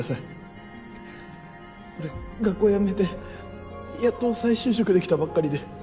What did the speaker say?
俺学校辞めてやっと再就職できたばっかりで。